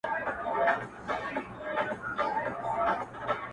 شرجلال مي ته ـ په خپل جمال کي کړې بدل ـ